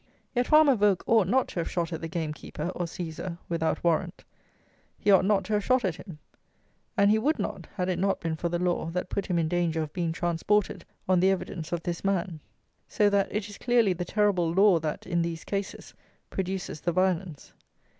Yet farmer Voke ought not to have shot at the gamekeeper, or seizer, without warrant: he ought not to have shot at him; and he would not had it not been for the law that put him in danger of being transported on the evidence of this man. So that it is clearly the terrible law that, in these cases, produces the violence.